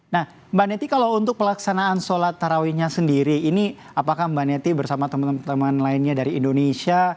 nah mbak neti kalau untuk pelaksanaan sholat tarawihnya sendiri ini apakah mbak neti bersama teman teman lainnya dari indonesia